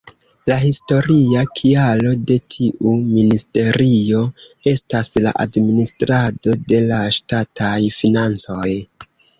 La historia kialo de tiu ministerio estas la administrado de la ŝtataj financoj.